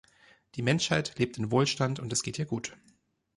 Die Menschheit lebt in Wohlstand, und es geht ihr gut.